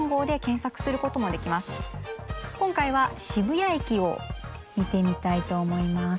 今回は渋谷駅を見てみたいと思います。